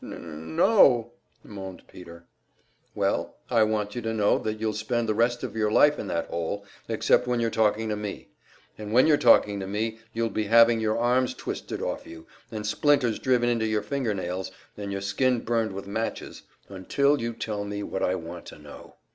"N n no," moaned Peter. "Well, I want you to know that you'll spend the rest of your life in that hole, except when you're talking to me. And when you're talking to me you'll be having your arms twisted off you, and splinters driven into your finger nails, and your skin burned with matches until you tell me what I want to know.